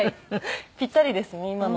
ピッタリですね今の。